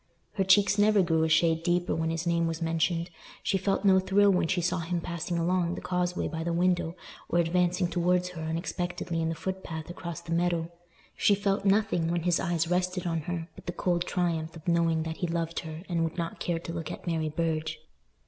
Her cheeks never grew a shade deeper when his name was mentioned; she felt no thrill when she saw him passing along the causeway by the window, or advancing towards her unexpectedly in the footpath across the meadow; she felt nothing, when his eyes rested on her, but the cold triumph of knowing that he loved her and would not care to look at Mary Burge.